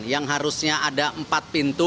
yang harus diperlukan untuk mencari penonton